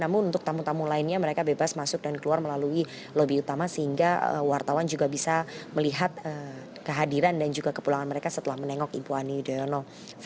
namun untuk tamu tamu lainnya mereka bebas masuk dan keluar melalui lobi utama sehingga wartawan juga bisa melihat kehadiran dan juga kepulangan mereka setelah menengok ibu ani yudhoyono